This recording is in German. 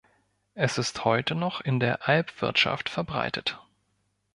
Es ist heute noch in der Alpwirtschaft verbreitet.